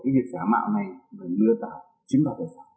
mục đích của việc giả mạo này là lừa đảo chính vào thời gian